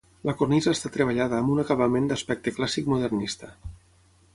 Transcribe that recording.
La cornisa està treballada amb un acabament d'aspecte clàssic modernista.